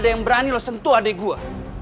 jangan berani lu sentuh adik gua